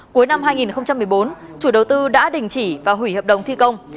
cuối năm hai nghìn một mươi bốn chủ đầu tư đã đình chỉ và hủy hợp đồng thi công